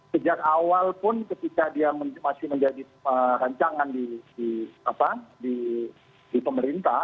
sejak awal pun ketika dia masih menjadi rancangan di pemerintah